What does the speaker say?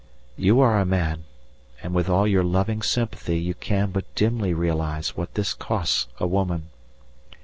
You are a man, and with all your loving sympathy you can but dimly realize what this costs a woman.